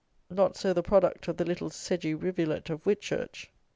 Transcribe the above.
Not so the product of the little sedgy rivulet of Whitchurch!